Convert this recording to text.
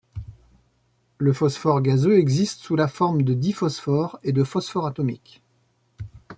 Le phosphore gazeux existe sous la forme de diphosphore et de phosphore atomique.